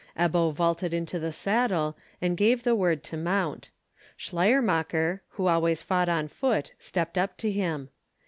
Ebbo vaulted into the saddle, and gave the word to mount; Schleiermacher, who always fought on foot, stepped up to him.